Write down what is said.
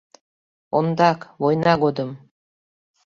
Ондак, война годым.